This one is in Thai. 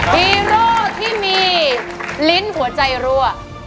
ฮีโร่ที่มีลิ้นหัวใจรั่ว